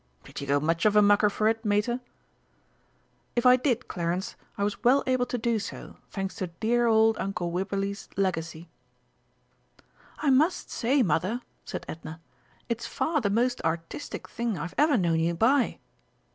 "Did you go much of a mucker for it, Mater?" "If I did, Clarence, I was well able to do so, thanks to dear old Uncle Wibberley's legacy." "I must say, Mother," said Edna, "it's far the most artistic thing I've ever known you buy."